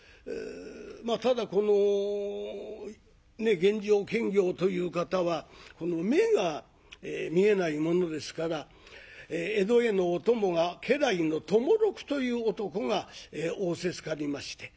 ただこの玄城検校という方は目が見えないものですから江戸へのお供が家来の友六という男が仰せつかりまして。